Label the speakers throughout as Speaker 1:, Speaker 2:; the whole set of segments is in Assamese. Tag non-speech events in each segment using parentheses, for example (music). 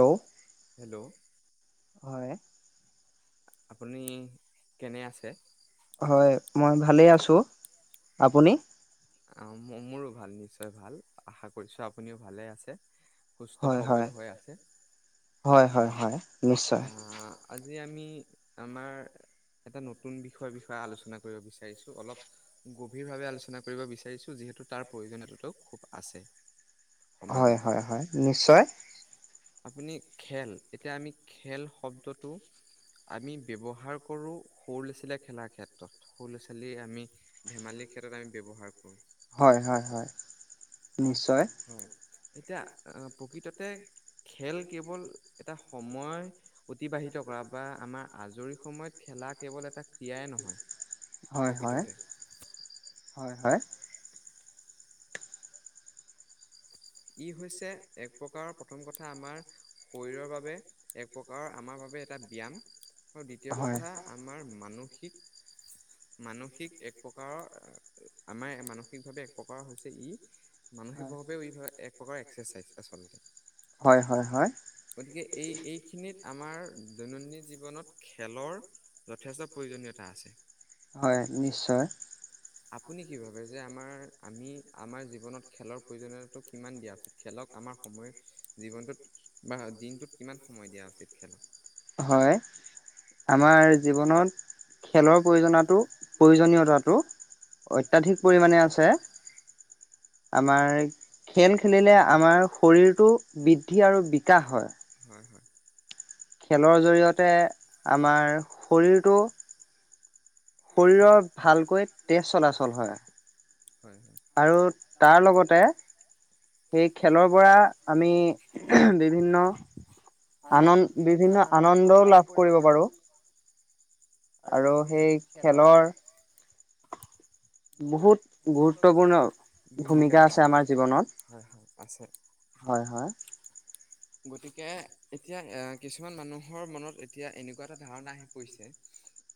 Speaker 1: হেল্ল'
Speaker 2: হেল্ল'
Speaker 1: হয়।
Speaker 2: আপুনি কেনে আছে?
Speaker 1: হয় মই ভালেই আছোঁ। আপুনি?
Speaker 2: আ মোৰো ভাল নিশ্চয় ভাল। আশা কৰিছো আপুনিও ভালে আছে? সুস্থ
Speaker 1: হয়
Speaker 2: সবল
Speaker 1: হয়
Speaker 2: হৈ আছে। হয় আহ- আজি আমি আমাৰ এটা নতুন বিষয়ৰ বিষয়ে আলোচনা কৰিব বিচাৰিছোঁ। অলপ- গভীৰভাৱে আলোচনা কৰিব বিচাৰিছো যিহেতু তাৰ প্ৰয়োজনীয়তাটো খুব আছে।
Speaker 1: হয়
Speaker 2: সমাজত।
Speaker 1: হয় হয় নিশ্চয়।
Speaker 2: আপুনি খেল এতিয়া আমি খেল শব্দটো- আমি ব্যৱহাৰ কৰো সৰু ল'ৰা ছোৱালীয়ে খেলাৰ ক্ষেত্ৰত সৰু ল'ৰা ছোৱালীৰ আমি- ধেমালিৰ ক্ষেত্ৰত আমি ব্যৱহাৰ কৰো।
Speaker 1: হয় হয় হয় নিশ্চয়
Speaker 2: হয় এতিয়া প্ৰকৃততে খেল কেৱল এটা সময়- অতিবাহিত কৰা বা আমাৰ আজৰি সময়ত খেলা কেৱল এটা ক্ৰীড়াই নহয়।
Speaker 1: হয় হয়
Speaker 2: প্ৰকৃততে
Speaker 1: হয় হয়।
Speaker 2: ই হৈছে এক প্ৰকাৰৰ প্ৰথম কথা আমাৰ শৰীৰৰ বাবে এক- প্ৰকাৰৰ আমাৰ বাবে এটা ব্যাম আৰু দ্বিতীয়
Speaker 1: হয়
Speaker 2: কথা আমাৰ মানসিক- মানসিক এক প্ৰকাৰৰ আ আমাৰ মানসিকভাৱে এক প্ৰকাৰৰ হৈছে ই- মানসিকভাৱেও ই ধৰা এক প্ৰকাৰৰ এক্সাৰচাইজ আচলতে।
Speaker 1: হয় হয় হয়।
Speaker 2: গতিকে এই এইখিনিত আমাৰ দৈনন্দিন জীৱনত খেলৰ- যথেষ্ট প্ৰয়োজনীয়তা আছে।
Speaker 1: হয় নিশ্চয়
Speaker 2: আপুনি কি ভাবে? যে আমাৰ আমি আমাৰ জীৱনত খেলৰ প্ৰয়োজনীয়তাটো কিমান দিয়া উচিত? খেলক আমাৰ সময় জীৱনটোত বা দিনটোত কিমান সময় দিয়া উচিত খেলক?
Speaker 1: হয় আমাৰ জীৱনত- খেলৰ প্ৰয়োজনাটো প্ৰয়োজনীয়তাটো অত্যাধিক পৰিমাণে আছে।
Speaker 2: (inaudible)
Speaker 1: আমাৰ খেল খেলিলে আমাৰ শৰীৰটো বৃদ্ধি আৰু বিকাশ হয়।
Speaker 2: হয় হয়
Speaker 1: খেলৰ জৰিয়তে আমাৰ শৰীৰটো- শৰীৰত ভালকৈ তেজ চলাচল হয়।
Speaker 2: হয় হয়
Speaker 1: আৰু তাৰ লগতে- সেই খেলৰ পৰা আমি বিভিন্ন- আনন্দ বিভিন্ন আনন্দও লাভ কৰিব পাৰো। আৰু সেই খেলৰ- বহুত গুৰুত্বপূৰ্ণ ভূমিকা আছে আমাৰ জীৱনত।
Speaker 2: হয় হয় আছে।
Speaker 1: হয়, হয়,
Speaker 2: গতিকে এতিয়া কিছুমান মানুহৰ মনত এতিয়া এনেকুৱা এটা ধাৰণা আহি পৰিছে।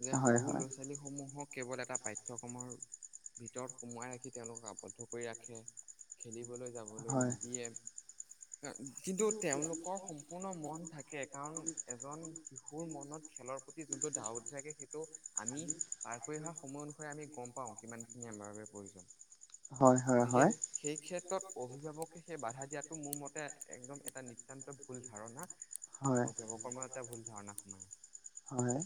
Speaker 2: যে
Speaker 1: হয়
Speaker 2: সৰু
Speaker 1: হয়
Speaker 2: ল'ৰা ছোৱালী সমূহক কেৱল এটা পাঠঠিয়ক্ৰমৰ- ভিতৰত সোমাই ৰাখি তেওঁলোকক আৱদ্ধ কৰি ৰাখে খেলিবলৈ- যাবলৈ
Speaker 1: হয়
Speaker 2: নিদিয়ে কিন্তু তেওঁ লোকৰ সম্পুৰ্ণ- মন থাকে কাৰণ এজন শিশুৰ মনত খেলৰ প্ৰতি যোনটো ধাউতি থাকে সেইটো- আমি পাৰ কৰি অহা সময় অনুসৰি আমি গম পাও কিমান খিনি আমাৰ বাবে প্ৰয়োজন।
Speaker 1: হয় হয়
Speaker 2: গতিকে
Speaker 1: হয়
Speaker 2: সেই ক্ষেত্ৰত অভিভাৱকে সেই বাধা দিয়াাতটো মোৰ মতে একদম এটা ন- অতয়ানন্ত ভুল ধাৰণা
Speaker 1: হয়
Speaker 2: অভিভাৱকৰ মন এটা ভুল ধাৰণা সোমায়।
Speaker 1: হয় হয়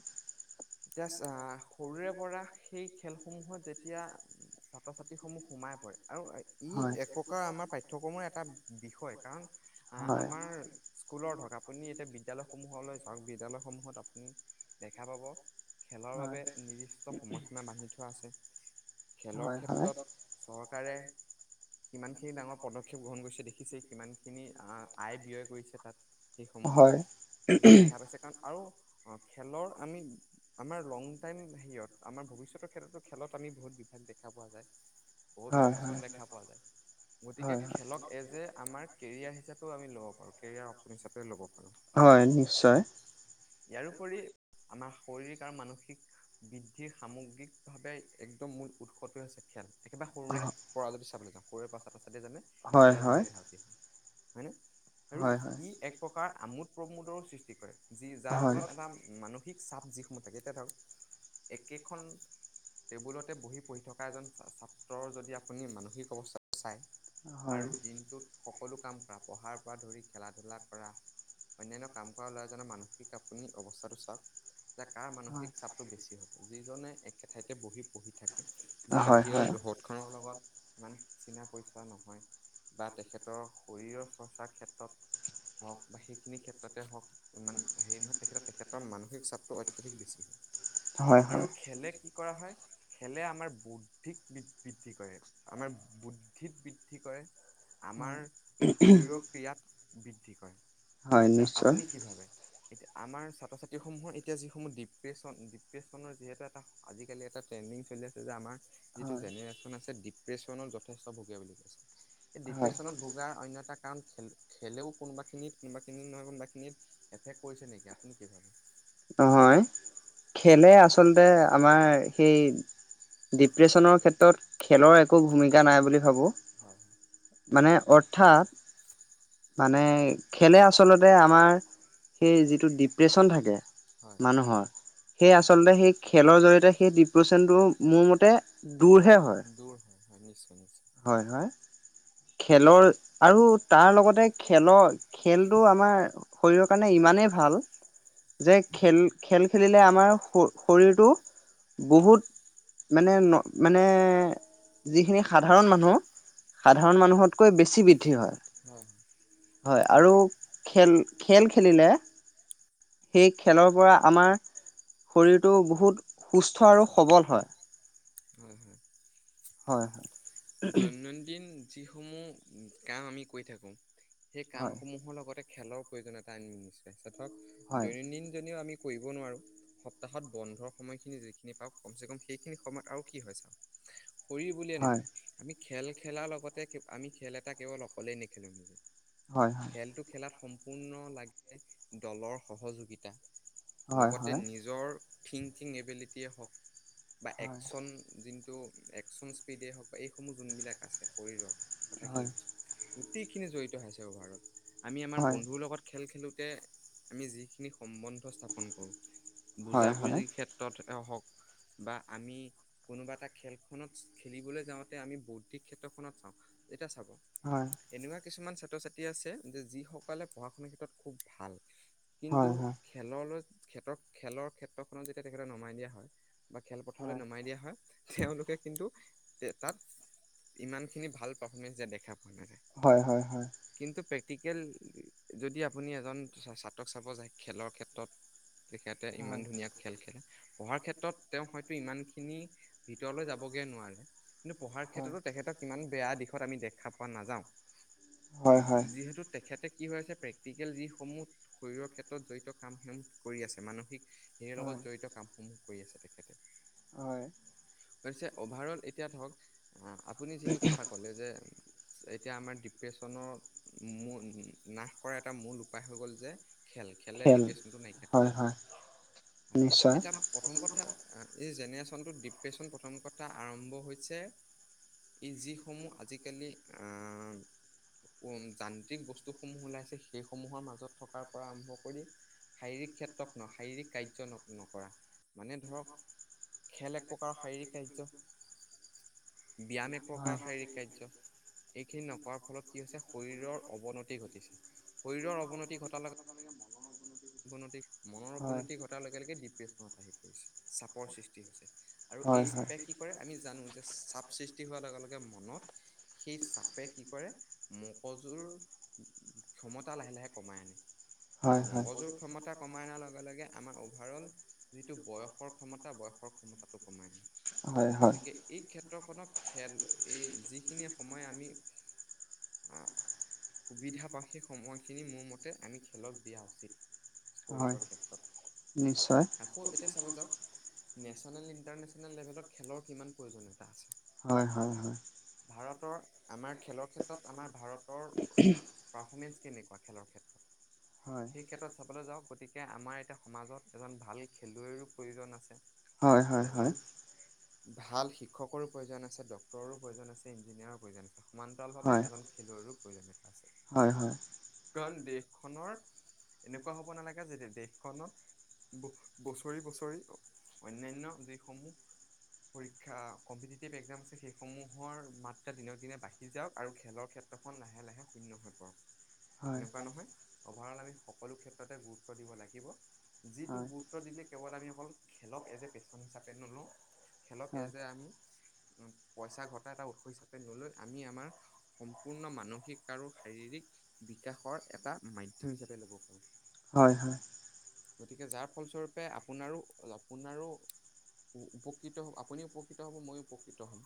Speaker 2: এতিয়া চা সৰুৰে পৰা সেই খেলসমূহত যেতিয়া- ছাত্ৰ ছাত্ৰীসমূহ সোমাই পৰে, আৰু
Speaker 1: হয় হয় হয়
Speaker 2: ই এক প্ৰকাৰৰ আমাৰ পাঠ্যক্ৰমৰ এটা বিষয় কাৰণ আহ,
Speaker 1: হয় হয়
Speaker 2: আমাৰ স্কুলৰ ধৰক, আপুনি এতিয়া বি বিদ্যালয়সমূহলৈ যাওক, বিদ্যালয়সমূহত আপুনি দেখা পাব। খেলৰ বাবে নিৰ্দিষ্ট সময়সীমা বান্ধি থোৱা আছে। খেলৰ ক্ষেত্ৰত চৰকাৰে কিমানখিনি ডাঙৰ পদক্ষেপ গ্ৰহণ কৰিছে দেখিছেই, কিমান খিনি আই ব্যয় কৰিছে তাত, সেইসমূহ গতিকে দেখা গৈছে কাৰণ আৰু খেলৰ আমি আমাৰ লং টাইম হেৰিয়ত, আমাৰ ভৱিষ্যতৰ ক্ষেত্ৰতো খেলত আমি বহুত বিভাগ দেখা পোৱা যায়।
Speaker 1: হয়
Speaker 2: বহুত
Speaker 1: হয়
Speaker 2: অপচন দেখা পোৱা যায়, গতিকে
Speaker 1: হয়
Speaker 2: খেলক এজ এ আমাৰ কেৰিয়াৰ হিচাপে ও আমি ল'ব পাৰোঁ, কেৰিয়াৰ অপচন হিচাপেও ল'ব পাৰো।
Speaker 1: হয়, নিশ্চয়।
Speaker 2: হয় নিশ্চিয়, ইয়াৰোপৰি আমাৰ শাৰীৰিক আৰু মানসিক বৃদ্ধিৰ সামগ্ৰিকভাৱে একদম মূল উৎসটোৱে হৈছে খেল, একেবাৰে সৰুৰে পৰা যদি চাবলৈ যাওঁ, সৰুৰে পৰা চাত্ৰ চাত্ৰীয়ে জানে,
Speaker 1: হয়
Speaker 2: খেলৰ
Speaker 1: হয়
Speaker 2: প্ৰতি এধাওতি হয়। হয়নে, আৰু
Speaker 1: হয় হয়
Speaker 2: ই এক প্ৰকাৰ আমোদ প্ৰমোদৰো সৃষ্টি কৰে, যি যাৰ
Speaker 1: হয়
Speaker 2: ফলত এটা মানসিক চাপ যিসমূহ থাকে, এতিয়া ধৰক একেখন টেবুলতে বহি পঢ়ি থকা এজন ছাত্ৰৰ যদি আপুনি মানসিক অৱস্থা চায়
Speaker 1: হয়
Speaker 2: আৰু দিনটোত সকলো কাম কৰা, পঢ়াৰ পৰা ধৰি খেলা ধূলা কৰা। অন্যান্য কাম কৰা ল'ৰা এজনৰ মানসিক আপুনি অৱস্থাটো চাওক। যে কাৰ মানসিক চাপটো বেছি হ'ব, যিজনে একেঠাইতে বহি পঢ়ি থাকে। যি
Speaker 1: হয়
Speaker 2: বাহিৰৰ জগত খনৰ লগত ইমান চনা পইচা নহয়, বা তেখেতৰ শৰীৰৰ চৰ্চাৰ ক্ষেত্ৰত হওক, বা সেইখিনি ক্ষেত্ৰতে হওক। ইমান হেৰি নহয়, তেখেতে তেখেতৰ মানসিক চাপটো অত্যাধিক বেছি হয়।
Speaker 1: হয় হয়
Speaker 2: আৰু খেলে কি কৰা হয়? খেলে আমাৰ বৌদ্ধিক বৃদ্ধি কৰে, আমাৰ বুদ্ধিত বৃদ্ধি কৰে।
Speaker 1: হয়
Speaker 2: আমাৰ শৰীৰৰ ক্ৰডিয়াত বৃদ্ধি কৰে,
Speaker 1: হয়
Speaker 2: এতিয়া
Speaker 1: নিশ্চয়
Speaker 2: আপুনি কি ভাবে? এতিয়া আমাৰ ছাত্ৰ ছাত্ৰীসমূহৰ এতিয়া যিসমূহ ডিপ্ৰেশ্যন ডিপ্ৰেশ্যনৰ যিহেতু এটা আজিকালি এটা ট্ৰেণ্ডিং চলি আছে যে আমাৰ যিটো
Speaker 1: হয়
Speaker 2: জেনেৰেশ্যন আছে, ডিপ্ৰেশ্যনত যথেষ্ট ভগীয়া বুলি কৈছে, সেই
Speaker 1: হয়
Speaker 2: ডিপ্ৰেশ্যনত ভ গাৰ অন্য এটা কাৰণ, খেলেও কোনোবাখিনিত কোনোবাখিনিত নহয় কোনোবাখিনিত এফেক্ট কৰিছে নেকি, আপুনি কি ভাবে?
Speaker 1: নহয়, খেলে আচলতে আমাৰ সেই ডিপ্ৰেশ্যনৰ ক্ষেত্ৰত খেলৰ একো ভূমিকা নাই বুলি ভাবোঁ।
Speaker 2: হয় হয়
Speaker 1: মানে অৰ্থাৎ মানে খেলে আচলতে আমাৰ সেই যিটো ডিপ্ৰেশ্যন থাকে
Speaker 2: হয়
Speaker 1: মানুহৰ। সেই আচলতে সেই খেলৰ জৰিয়তে সেই ডিপ্ৰেশচনটো মোৰ মতে দূৰহে হয়।
Speaker 2: দূৰ হয়, হয়, নিশ্চয় নিশ্চয়।
Speaker 1: হয় হয়। খেলৰ আৰু তাৰ লগতে খেলৰ খেলটো আমাৰ শৰীৰৰ কাৰণে ইমানেই ভাল। যে খেল খেল খেলিলে আমাৰ শ শৰীৰটো বহুত মানে মানে যিখিনি সাধাৰণ মানুহ সাধাৰণ মানুহতকৈ বেছি বৃদ্ধি হয়,
Speaker 2: হয় হয়
Speaker 1: হয় আৰু
Speaker 2: আপোনাৰ
Speaker 1: খেল খেল খেলিলে সেই খেলৰ পৰা আমাৰ শৰীৰটো বহুত সুস্থ আৰু সবল হয়।
Speaker 2: হয় হয়
Speaker 1: হয়
Speaker 2: দৈনন্দিন যিসমূহ কাম আমি কৰি থাকোঁ, সেই
Speaker 1: হয়
Speaker 2: কামসমূহৰ লগতে খেলৰ প্ৰয়োজনীয়তা আনম নিশ্চয়, ধৰক
Speaker 1: হয়
Speaker 2: দৈনন্দিন জনিও আমি কৰিব নোৱাৰো সপ্তাহত বন্ধৰ সময়খিনি যিখিনি পাওক কমচে কম সেইখিনি সময়ত আৰু কি হয় চাওঁক শৰীৰ বুলিয়ে
Speaker 1: হয়
Speaker 2: নহয় আমি খেল খেলাৰ লগতে আমি খেল এটা কেৱল অকলেই নেখেলো নিজে
Speaker 1: হয়
Speaker 2: খেলটো খেলাত সম্পূৰ্ণ লাগে দলৰ সহযোগিতা।
Speaker 1: হয়
Speaker 2: লগতে
Speaker 1: হয়
Speaker 2: নিজৰ থিংকিং এবিলিটিয়েই হওক বা
Speaker 1: হয় হয়
Speaker 2: একচন
Speaker 1: হয়
Speaker 2: যোনটো একচন স্পীডেই হওক বা এইসমূহ যোনবিলাক আছে শৰীৰৰ কথাখিনি কৈছোঁ, গোটেইখিনি জড়িত হৈ হৈছে অভাৰত আমি আমাৰ
Speaker 1: হয়
Speaker 2: বন্ধুৰ লগত খেল খেলোঁতে আমি যিখিনি সম্বন্ধ স্থাপন কৰো,
Speaker 1: হয় হয়
Speaker 2: বুজা-বুজিৰ ক্ষেত্ৰতে হওক বা আমি কোনোবা এটা খেলখনত খেলিবলৈ যাওঁতে আমি বৌদ্ধিক ক্ষেত্ৰখনত চাওঁ, এতিয়া চাব
Speaker 1: হয়।
Speaker 2: এনেকুৱা কিছুমান ছাত্ৰ ছাত্ৰী আছে যে যিসকলে পঢ়া শুনাৰ ক্ষেত্ৰত খুব ভাল। কিন্তু
Speaker 1: হয় হয়
Speaker 2: খেললৈ ক্ষেত খেলৰ ক্ষেত্ৰখনত যেতিয়া তেখেতে নমাই দিয়া হয় বা খেলপথাৰলৈ নমাই দিয়া হয় তেওঁলোকে কিন্তু তাত ইমানখিনি ভাল পাৰফৰ্মেন্ঞ্চ দিয়া দেখা পোৱা নাযায়।
Speaker 1: হয় হয় হয়।
Speaker 2: কিন্তু প্ৰেক্টিকেল যদি আপুনি এজন ছা ছা ত্ৰক চাব যায় খেলৰ ক্ষেত্ৰত তেখেতে ইমান
Speaker 1: হয়
Speaker 2: ধুনীয়া খেল খেলে, পঢ়াৰ ক্ষেত্ৰত তেওঁ হয়তো ইমানখিনি ভিতৰলৈ যাবগে নোৱাৰে, কিন্তু পঢ়াৰ
Speaker 1: হয়
Speaker 2: ক্ষেত্ৰতো তেখেতক ইমান বেয়া দিশত আমি দেখা পোৱা নাযাওঁ।
Speaker 1: হয় হয় হয়
Speaker 2: যিহেতু তেখেতে কি হৈ আছে প্ৰেক্টিকেল যিসমূহ শৰীৰৰ ক্ষেত্ৰত জড়িত কাম সহ কৰি আছে মানসিক হেৰিয়ৰ
Speaker 1: হয়
Speaker 2: লগত জড়িত কাম সমূহ কৰি আছে তেখেতে।
Speaker 1: হয়।
Speaker 2: পিছে অভাৰ অল এতিয়া ধৰক আপুনি যিটো কথা ক'লে যে এতিয়া আমাৰ ডিপ্ৰেশ্যনৰ মুন নাশ কৰা এটা মূল উপায় হৈ গ'ল যে খেল খেলে
Speaker 1: খেল
Speaker 2: ডিপ্ৰেশচনটো নাইকিয়া কৰিব
Speaker 1: হয় হয়
Speaker 2: পাৰে, হয়
Speaker 1: নিশ্চয়
Speaker 2: এতিয়া প্ৰথম কথা এই জেনেৰেশ্যনটোত ডিপ্ৰেশ্যন প্ৰথম কথা আৰম্ভ হৈছে ই যিসমূহ আজিকালি আ উম যান্ত্ৰিক বস্তুসমূহ ওলাইছে সেইসমূহৰ মাজত থকাৰ পৰা আৰম্ভ কৰি শাৰীৰিক ক্ষেত্ৰত ন শাৰীৰিক কাৰ্য ন নকৰা, মানে ধৰক খেল এক প্ৰকাৰৰ শাৰীৰিক কাৰ্য্য ব্যায়াম এক
Speaker 1: হয়
Speaker 2: প্ৰকাৰৰ শাৰীৰিক কাৰ্য্য এইখিনি নকৰা ফলত কি হৈছে শৰীৰৰ অৱনতি ঘটিছে, শৰীৰৰ অৱনতি ঘটাৰ লগে অৱনতি মনৰ
Speaker 1: হয়
Speaker 2: অৱনতি ঘটাৰ লগে লগে ডিপ্ৰেচনত আহি পৰিছে, চাপৰ সৃষ্টি হৈছে। আৰু
Speaker 1: হয়
Speaker 2: এই
Speaker 1: হয়
Speaker 2: চাপে কি কৰে? আমি জানো যে চাপ সৃষ্টি হোৱাৰ লগে লগে মনত সেই চাপে কি কৰে মগজুৰ ক্ষমতা লাহে লাহে কমাই আনে, আৰু
Speaker 1: হয় হয়
Speaker 2: মগজুৰ ক্ষমতা কমাই অনাৰ লগে লগে আমাৰ অভাৰ অল যিটো বয়সৰ ক্ষমতা বয়সৰ ক্ষমতাটো কমাই।
Speaker 1: হয় হয়
Speaker 2: গতিকে এই ক্ষেত্ৰখনক খেল এই যিখিনি সময় আমি সুবিধা পাওঁ, সেই সময়খিনি মোৰ মতে আমি খেলক দিয়া উচিত।
Speaker 1: হয়
Speaker 2: স্পৰ্টছৰ ক্ষেত্ৰত।
Speaker 1: নিশ্চয়
Speaker 2: আকৌ এতিয়া চাব যাওক, নেশ্যনেল, ইণ্টাৰনেশ্যনেল লেভেলত খেলৰ কিমান প্ৰয়োজনীয়তা আছে।
Speaker 1: হয়, হয়, হয়।
Speaker 2: ভাৰতৰ আমাৰ, খেলৰ ক্ষেত্ৰত আমাৰ ভাৰতৰ পাৰফৰ্মেঞ্চ কেনেকুৱা খেল ক্ষেত্ৰত?
Speaker 1: হয়।
Speaker 2: যাওক গতিকে আমাৰ এতিয়া সমাজত এজন ভাল খেলুৱৈৰো প্ৰয়োজন আছে।
Speaker 1: হয় হয়
Speaker 2: এজন
Speaker 1: হয়
Speaker 2: ভাল শিক্ষকৰো প্ৰয়োজন আছে, ডাক্তৰো প্ৰয়োজন আছে, ইঞ্জিনিয়াৰৰো প্ৰয়োজন আছে। সমান্তৰালভাৱে
Speaker 1: হয়
Speaker 2: এজন খেলুৱৈৰো প্ৰয়োজন আছে,
Speaker 1: হয় হয়
Speaker 2: কাৰণ দেশখনৰ এনেকুৱা হ'ব নালাগে, যেতিয়া দেশখনত ব-বছৰি, বছৰি অন্যয়ন দেশ সমূহ পৰীক্ষা কম্পিটিটিভ এক্সাম আছে, সেইসমূহৰ মাত্ৰা দিনক দিনে বাঢ়ি জাওক আৰু খেলৰ ক্ষেত্ৰখন লাহে লাহে শূন্য হৈ পৰক,
Speaker 1: হয়
Speaker 2: এনেকুৱা নহয় অভাৰ অল আমি সকলো ক্ষেত্ৰতে গুৰুত্ব দিব লাগিব। যিটো
Speaker 1: হয়
Speaker 2: গুৰুত্ব দিলে, কেৱল আমি অকল খেলক এজ এ, পেচন, হিচাপে নলওঁ। খেলক এচ, যে, আমি উ, পইচা ঘটা এটা উৎস হিচাপে নলৈ, আমি আমাৰ সম্পূৰ্ণ মানসিক আৰু শাৰীৰিক বিকাশৰ এটা মাধ্যম হিচাপে ল'ব পাৰো।
Speaker 1: হয়, হয়।
Speaker 2: গতিকে যাৰ ফলস্বৰূপে, আপোনাৰো, আপোনাৰো উপকৃত হ'ব, আপুনিও উপকৃত হ'ব, মইও উপকৃত হ'ম।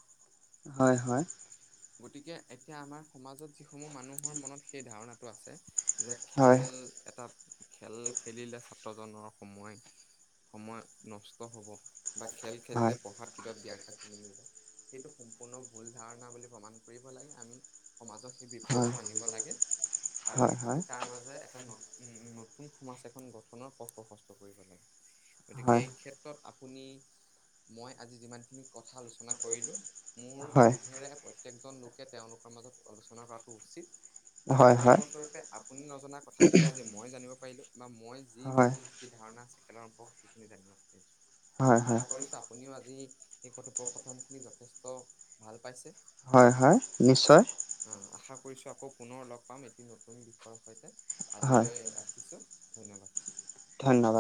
Speaker 1: হয়, হয়।
Speaker 2: গতিকে এতিয়া আমাৰ সমাজত যিসমূহ মানুহৰ মনত সেই ধাৰণাটো আছে। যে,
Speaker 1: হয়
Speaker 2: খেল এটা খেল খেলিলে, ছাত্ৰজনৰ সময় সময় নষ্ট হ'ব বা খেল খেলিলে পঢ়াত কিবা ব্যাঘাত জনমিব। সেইটো সম্পূৰ্ণ ভুল ধাৰণা বুলি প্ৰমাণ কৰিব লাগে, আমি। সমাজত সেই
Speaker 1: হয় হয় হয় হয়
Speaker 2: বিপ্লৱটো আনিব লাগে আৰু আমি
Speaker 1: হয়
Speaker 2: তাৰ মাজে এটা নতুন উম, নতুন সমাজ এখন গঠনৰ পথ প্ৰশস্ত কৰিব লাগে। গতিকে এই ক্ষেত্ৰত আপুনি, মই আজি যিমানখিনি কথা আলোচনা কৰিলো। মোৰ বোধেৰে, প্ৰত্যয়েকজন লোকে তেওঁলোকৰ মাজত আলোচনা কৰাটো উচিত।
Speaker 1: হয় হয় হয় হয়
Speaker 2: যাৰ ফলস্বৰূপে, আপুনি নজনা কথাখিনি আজি মই জানিব পাৰিলো বা মই যি মোৰ, যি ধাৰণা আছে সেইখিনি জানিব পাৰিলো।
Speaker 1: হয় হয়
Speaker 2: আশা কৰিছোঁ আপুনিও, আজি এই কথোপকথনখিনি যথেষ্ট ভাল, পাইছে।
Speaker 1: হয়, হয়। নিশ্চয়।
Speaker 2: আশা কৰিছোঁ আকৌ, পুনৰ লগ পাম এটি নতুন বিষয়ৰ সৈতে।
Speaker 1: হয়
Speaker 2: আজিলৈ ৰাখিছোঁ, ধন্যবাদ।
Speaker 1: ধন্যবাদ